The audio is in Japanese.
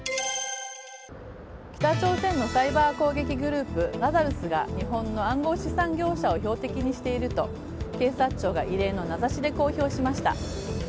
北朝鮮のサイバー攻撃グループラザルスが日本の暗号資産業者を標的にしていると警視庁が異例の名指しで公表しました。